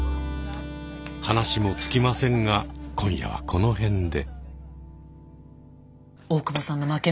話も尽きませんが今夜はこの辺で。